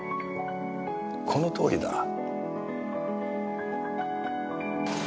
このとおりだ。